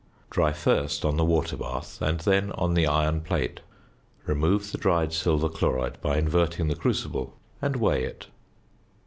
Dry first on the water bath and then on the iron plate. Remove the dried silver chloride, by inverting the crucible, and weigh it.